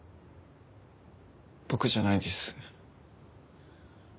僕じゃないです。